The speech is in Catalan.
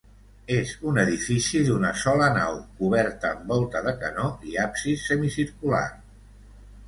És un edifici d'una sola nau, coberta amb volta de canó i absis semicircular.